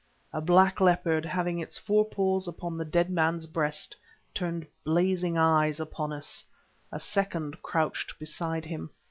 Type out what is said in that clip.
A black leopard, having its fore paws upon the dead man's breast, turned blazing eyes upon us; a second crouched beside him.